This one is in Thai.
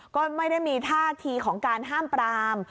ก็ไม่ได้มีท่าทีของการห้ามปราม